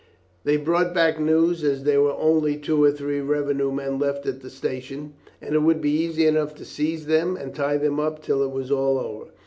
They brought back news as there were only two or three revenue men left at the station, and it would be easy enough to seize them and tie them up till it was all over.